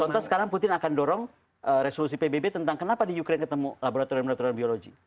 contoh sekarang putin akan dorong resolusi pbb tentang kenapa di ukraine ketemu laboratorium laboratorian biologi